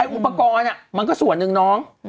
ให้อุปกรณ์อะมันก็ส่วนเงินน้อง